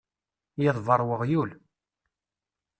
Yeḍbeṛ weɣyul.